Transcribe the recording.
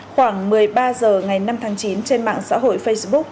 khoảng một mươi ba h ngày năm tháng chín trên mạng xã hội facebook